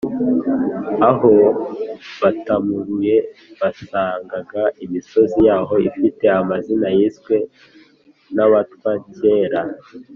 aho batamuruye basangaga imisozi yaho ifite amazina yiswe n’abatwa cyera!